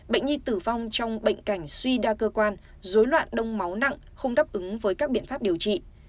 bệnh nhi tử vong trong bệnh cảnh suy đa cơ quan dối loạn đông máu nặng không đáp ứng với các biện pháp điều trị